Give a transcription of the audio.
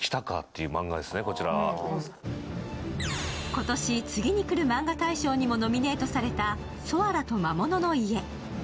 今年、「次にくるマンガ大賞」にもノミネートされた「ソアラと魔物の家」。